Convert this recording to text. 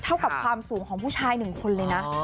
เท่ากับความสูงของผู้ชาย๑คนเลยนะ